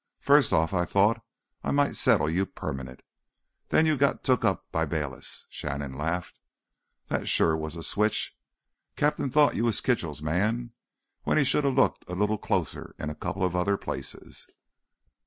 First off I thought I might settle you permanent, then you got took up by Bayliss." Shannon laughed. "That sure was a switch! Captain thought you was Kitchell's man, when he shoulda looked a little closer in a coupla other places."